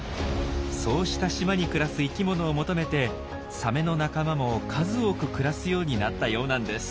そうした島に暮らす生きものを求めてサメの仲間も数多く暮らすようになったようなんです。